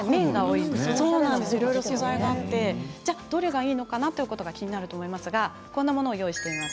いろいろと素材があってでは、どれがいいのかなと気になりますがこんなものを用意しています。